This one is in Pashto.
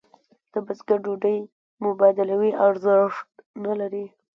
د بزګر ډوډۍ مبادلوي ارزښت نه لري.